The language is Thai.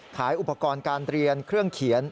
ขายอุปกรณ์การเรียนเครื่องเขียน